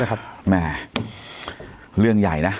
แม่เรื่องใหญ่นะ